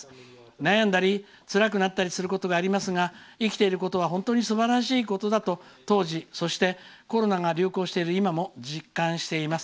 悩んだりつらくなったりすることがありますが生きていることは本当にすばらしいことだと当時、そしてコロナが流行している今も実感しています。